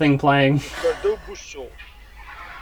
Neffer ddaw n wussu.